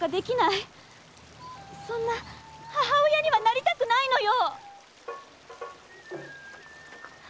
そんな母親にはなりたくないのよ！